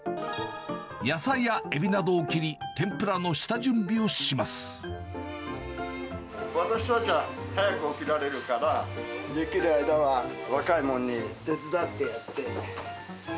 野菜やエビなどを切り、天ぷらの私たちは早く起きられるから、できる間は若いもんに手伝ってやって。